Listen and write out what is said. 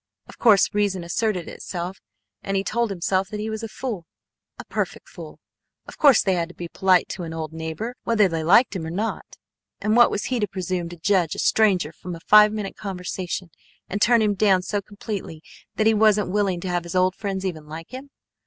Of course reason asserted itself, and he told himself that he was a fool, a perfect fool. Of course they had to be polite to an old neighbor whether they liked him or not. And what was he to presume to judge a stranger from a five minute conversation, and turn him down so completely that he wasn't willing to have his old friends even like him?